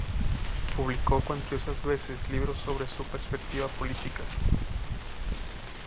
Publicó cuantiosas veces libros sobre su perspectiva política.